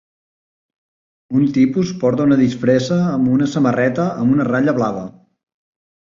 Un tipus porta una disfressa amb una samarreta amb una ratlla blava